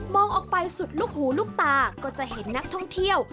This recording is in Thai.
ออกไปสุดลูกหูลูกตาก็จะเห็นนักท่องเที่ยว